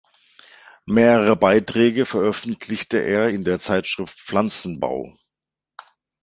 Mehrere Beiträge veröffentlichte er in der Zeitschrift "Pflanzenbau".